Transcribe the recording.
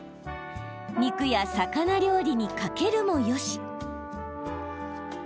肉や魚料理にかけるもよし。